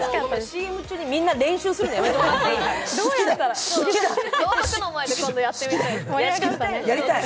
ＣＭ中にみんな練習するのやめてもらっていい？